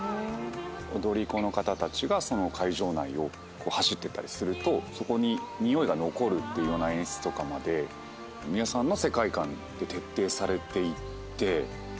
踊り子の方たちがその会場内を走ってったりするとそこに匂いが残るっていうような演出とかまで美輪さんの世界観で徹底されていて。